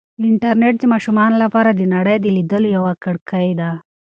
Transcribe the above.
انټرنیټ د ماشومانو لپاره د نړۍ د لیدلو یوه کړکۍ ده.